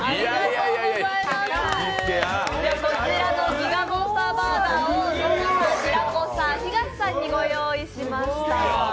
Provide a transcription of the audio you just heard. ギガモンスターバーガーを平子さん、東さんにご用意しました。